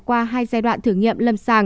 giai đoạn thử nghiệm lâm sàng